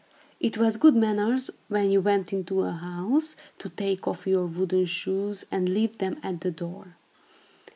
It was good manners, when you went into a house, to take off your wooden shoes and leave them at the door.